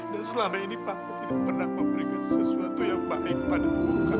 dan selama ini papa tidak pernah memberikan sesuatu yang baik padamu